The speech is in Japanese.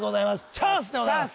チャンスでございます